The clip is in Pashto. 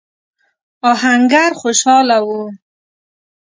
آهنګر خوشاله و.